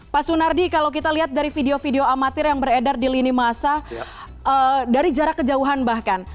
pak sunardi kalau kita lihat dari video video amatir yang beredar di lini masa dari jarak kejauhan bahkan